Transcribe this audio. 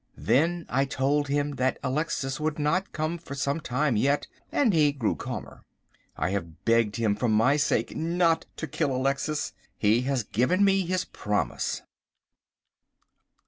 Then I told him that Alexis would not come for some time yet, and he grew calmer. I have begged him for my sake not to kill Alexis. He has given me his promise.